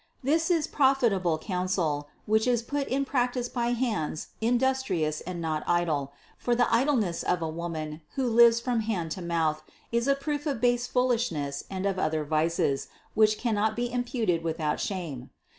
This is profitable counsel, which is put in practice by hands in dustrious and not idle; for the idleness of a woman, who lives from hand to mouth, is a proof of base fool ishness and of other vices, which cannot be imputed without shame.